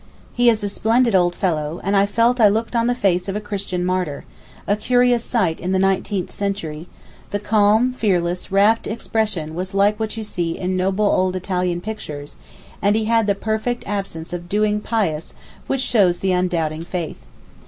He is a splendid old fellow, and I felt I looked on the face of a Christian martyr, a curious sight in the nineteenth century: the calm, fearless, rapt expression was like what you see in noble old Italian pictures, and he had the perfect absence of 'doing pious' which shows the undoubting faith.